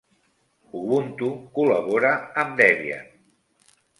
Ubuntu col·labora amb Debian